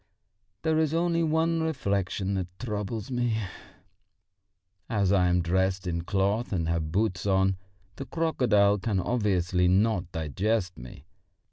There is only one reflection rather troubles me: as I am dressed in cloth and have boots on, the crocodile can obviously not digest me.